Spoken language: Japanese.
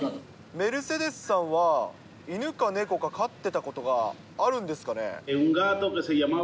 メルセデスさんは犬か猫か飼ってたことがあるんですかね。